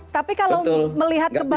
tapi kalau melihat kebakaran